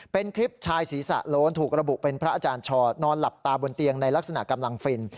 เป็นคลิปชายศีรษะโล้นถูกระบุเป็นพระอาจารย์ชอนอนหลับตาบนเตียงในลักษณะกำลังฟิน